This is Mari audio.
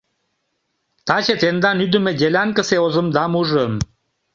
Таче тендан ӱдымӧ делянкысе озымдам ужым.